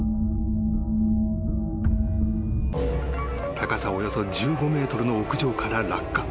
・［高さおよそ１５ｍの屋上から落下］